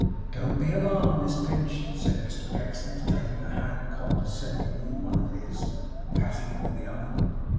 'Don't be alarmed, Miss Pinch,' said Mr Pecksniff, taking her hand condescendingly in one of his, and patting it with the other.